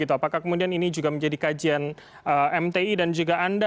apakah kemudian ini juga menjadi kajian mti dan juga anda